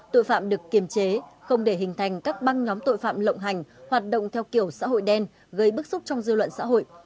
tội phạm được kiềm chế không để hình thành các băng nhóm tội phạm lộng hành hoạt động theo kiểu xã hội đen gây bức xúc trong dư luận xã hội